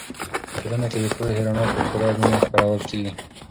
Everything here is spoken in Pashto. په ټولنه کې د پوهې رڼا په پوره مینه خپرول کېږي.